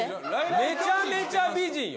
めちゃめちゃ美人よ。